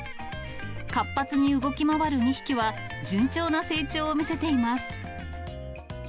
活発に動き回る２匹は、順調な成長を見せています。